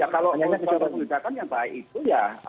kalau mengenai kebijakan yang baik itu ya